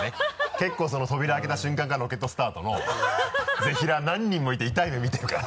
結構扉開けた瞬間からロケットスタートのぜひらー何人もいて痛い目みてるから。